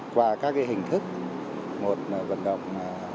qua các hình thức một vận động